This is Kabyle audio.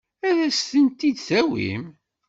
Ad as-tent-id-tawim?